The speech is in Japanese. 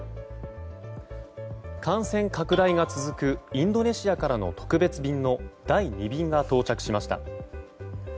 感染拡大が続くインドネシアからの特別便の第２便が到着しました。